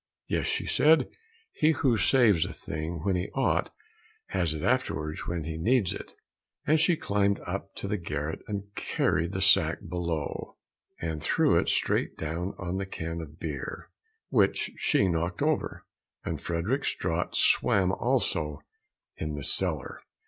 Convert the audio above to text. "Yes," said she, "he who saves a thing when he ought, has it afterwards when he needs it," and she climbed up to the garret and carried the sack below, and threw it straight down on the can of beer, which she knocked over, and Frederick's draught swam also in the cellar.